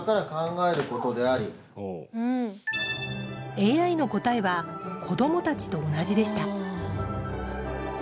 ＡＩの答えは子どもたちと同じでした